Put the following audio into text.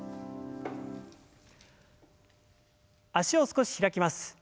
脚を少し開きます。